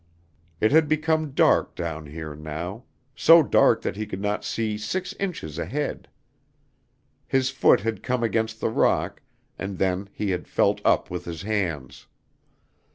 It had become dark down here now, so dark that he could not see six inches ahead. His foot had come against the rock, and then he had felt up with his hands.